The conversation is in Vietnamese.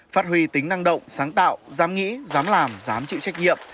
phát huy tính năng động sáng tạo dám nghĩ dám làm dám chịu trách nhiệm